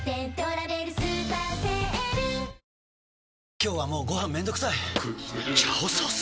今日はもうご飯めんどくさい「炒ソース」！？